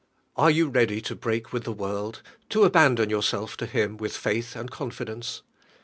Are you ready to break with the world, to abandon yourself to Him with faith and confidence?